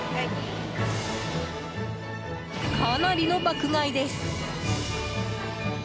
かなりの爆買いです。